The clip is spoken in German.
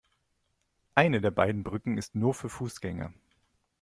Eine der beiden Brücken ist nur für Fußgänger.